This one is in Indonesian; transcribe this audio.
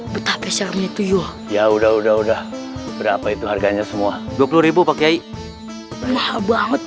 betah peseram itu ya udah udah udah berapa itu harganya semua dua puluh pakai mahal banget